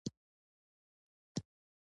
د کورنۍ دندې په توګه یو متن ولیکئ.